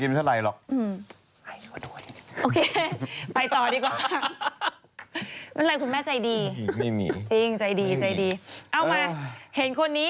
เครดไม่ท้าเงาล่ะบุชารักแท้นะ